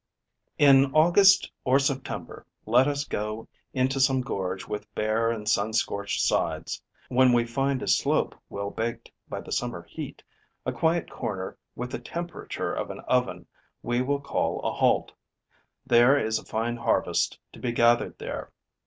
In August or September, let us go into some gorge with bare and sun scorched sides. When we find a slope well baked by the summer heat, a quiet corner with the temperature of an oven, we will call a halt: there is a fine harvest to be gathered there.